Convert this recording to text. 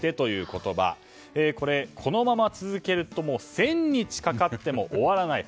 これ、このまま続けると１０００日かかっても終わらない。